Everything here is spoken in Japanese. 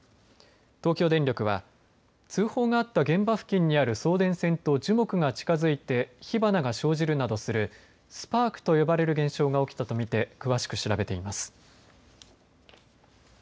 東京電力は通報があった現場付近にある送電線と樹木が近づいて火花が生じるなどするスパークと呼ばれる現象が起きたと見て詳しく調べています。